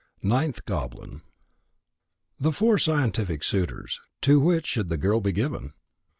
NINTH GOBLIN _The Four Scientific Suitors. To which should the girl be given?